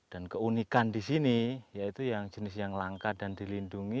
dan keunikan di sini yaitu yang jenis yang langka dan dilindungi